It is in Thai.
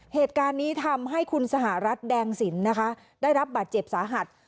เหตุการณ์นี้ทำให้คุณสหรัฐแดงสินนะคะได้รับบาดเจ็บสาหัส